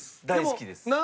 大好きです。